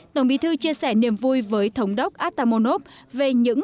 tổng bí thư chia sẻ niềm vui với thống đốc atamonov về những